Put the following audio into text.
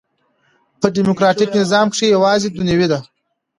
په ډيموکراټ نظام کښي یوازي دنیوي ده.